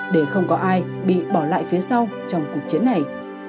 để không có ai bị bỏ lại phía sau trong cuộc chiến này